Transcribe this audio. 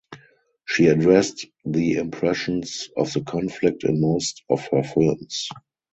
She addressed the impressions of the conflict in most of her films.